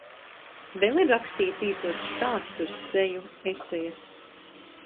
Vēl ir rakstījis īsos stāstus, dzeju, esejas.